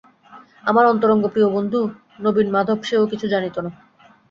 আমার অন্তরঙ্গ প্রিয়বন্ধু নবীনমাধব, সেও কিছু জানিত না।